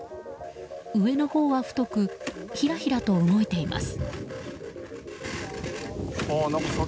上のほうは太くひらひらと動いています。